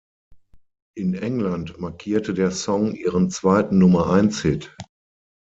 In England markierte der Song ihren zweiten Nummer-eins-Hit.